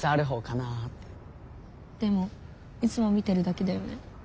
でもいつも見てるだけだよね。